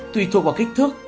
tùy thuộc vào kích thước